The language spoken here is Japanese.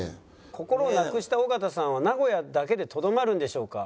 「心をなくした尾形さんは名古屋だけでとどまるんでしょうか？」。